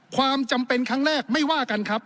ความจำเป็นครั้งแรกไม่ว่ากันครับ